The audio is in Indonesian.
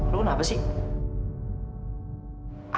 lu kenapa sih